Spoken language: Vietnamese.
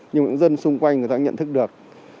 nhưng những dân xung quanh người ta nhận thức được